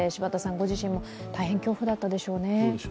ご自身、大変恐怖だったでしょうね。